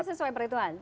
itu sesuai perhitungan